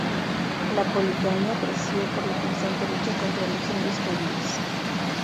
La poligamia creció por la constante lucha contra los indios caribes.